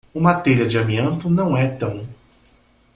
Uma telha de amianto não é tão